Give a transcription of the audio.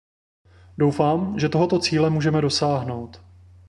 Doufám, že tohoto cíle můžeme dosáhnout.